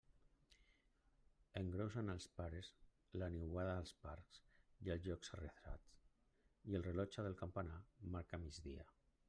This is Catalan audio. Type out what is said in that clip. Engrunsen els pares la niuada als parcs i llocs arrecerats, i el rellotge del campanar marca migdia.